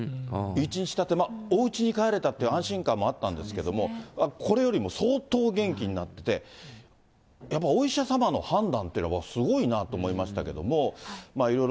１日たって、おうちに帰れたって安心感もあったんですけども、これよりも相当元気になってて、やっぱりお医者様の判断っていうのはすごいなと思いましたけども。